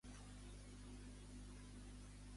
Què va abaixar el cérvol?